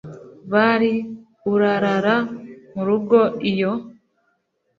bari urarara mu rugo iyo